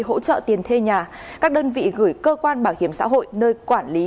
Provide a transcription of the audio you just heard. hỗ trợ tiền thuê nhà các đơn vị gửi cơ quan bảo hiểm xã hội nơi quản lý